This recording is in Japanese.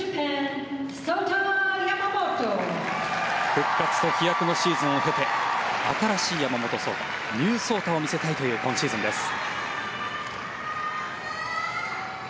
復活と飛躍のシーズンを経て新しい山本草太ニュー草太を見せたいという今シーズンです。